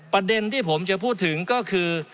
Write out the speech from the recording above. ประเด็นที่ผมจะพูดถึงก็คือ